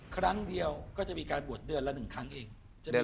ครั้งเดียวก็จะมีการบวชเดือนละ๑ครั้งเอง